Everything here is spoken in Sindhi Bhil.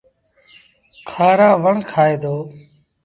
کآرآ وڻ کآئي دو۔